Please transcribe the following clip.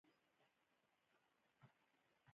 د سن اونوفري ښاروال تړون لاسلیک کړ.